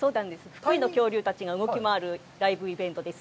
福井の恐竜たちが動き回るライブイベントです。